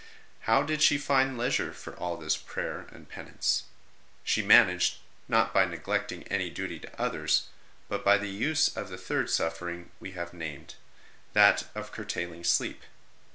How did she find leisure for all this prayer and penance? She managed, not by neglecting any duty to others, but by the use of the third suffer ing we have named, that of curtailing sleep.